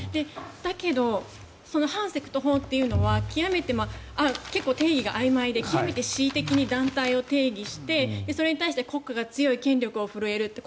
だけどその反セクト法というのは結構、定義があいまいで極めて恣意的に団体を定義してそれに対して国家が強い権力を振るえるって。